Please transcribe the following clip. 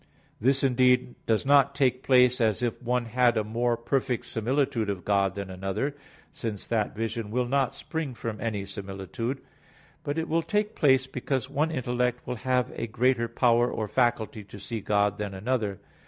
This, indeed, does not take place as if one had a more perfect similitude of God than another, since that vision will not spring from any similitude; but it will take place because one intellect will have a greater power or faculty to see God than another.